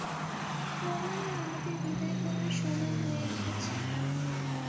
মনে হয় আমাদের বিদায় বলার সময় হয়ে এসেছে।